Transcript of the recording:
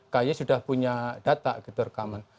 kay sudah punya data gitu rekaman